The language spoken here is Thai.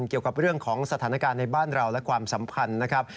เกี่ยวกับเรื่องของสถานการณ์ในบ้านเราและความสัมพันธ์นะครับ